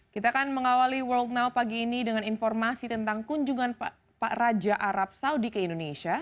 kita akan mengawali world now pagi ini dengan informasi tentang kunjungan pak raja arab saudi ke indonesia